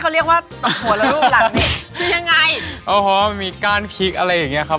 ดีใจขนาดนั้นเลยหรือครับ